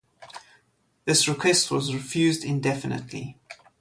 This request was refused indefinitely.